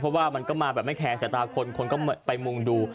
เพราะว่ามันก็มาแบบไม่แคร์สายตาคนคนก็ไปมุ่งดู